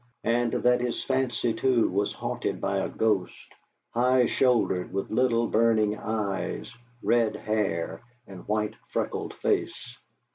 And that his fancy, too, was haunted by a ghost, high shouldered, with little burning eyes, red hair, and white freckled face.